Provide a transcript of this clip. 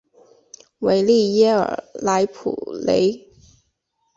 维利耶尔莱普雷。